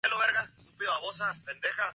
Su cabecera es Hidalgo del Parral.